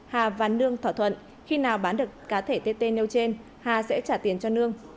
hà và nương thỏa thuận khi nào bán được cá thể tê tê nêu trên hà sẽ trả tiền cho nương